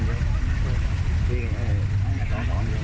ไม่ได้สองสองไม่ได้สองสองจับเลยหว้างหว่างหว่าง